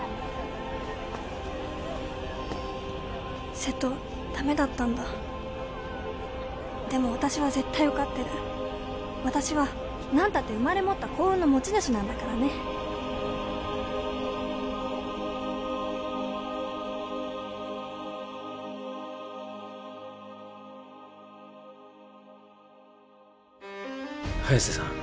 瀬戸ダメだったんだでも私は絶対受かってる私は何たって生まれ持った幸運の持ち主なんだからね早瀬さん